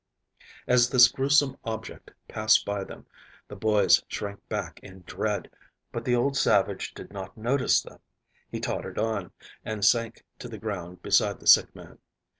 As this grewsome object passed by them the boys shrank back in dread, but the old savage did not notice them. He tottered on, and sank to the ground beside the sick man.